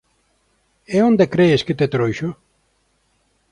E onde cres que te trouxo?